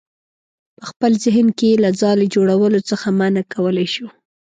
په خپل ذهن کې یې له ځالې جوړولو څخه منع کولی شو.